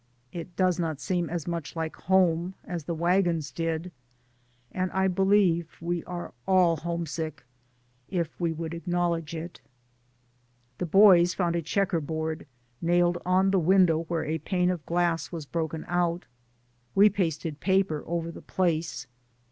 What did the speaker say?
It does not seem as much like home as the wagons did, and I believe we are all home sick if we would acknowledge it. DAYS ON THE ROAD. 269 The boys found a checkerboard nailed on the window where a pane of glass was broken out. We pasted paper over the place.